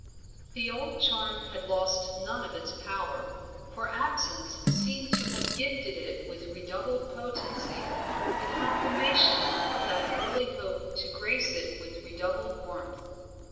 The old charm had lost none of its power, for absence seemed to have gifted it with redoubled potency, the confirmation of that early hope to grace it with redoubled warmth.